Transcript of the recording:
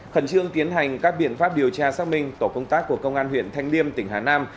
khẩn trương tiến hành các biện pháp điều tra xác minh tổ công tác của công an huyện thanh liêm tỉnh hà nam